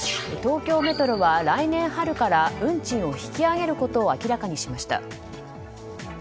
東京メトロは来年春から運賃を引き上げることを明らかにしました。